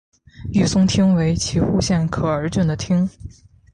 御嵩町为岐阜县可儿郡的町。